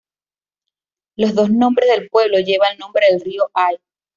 Los dos nombres del pueblo lleva el nombre del río Hay.